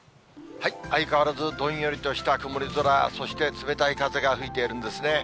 相変わらずどんよりとした曇り空、そして冷たい風が吹いているんですね。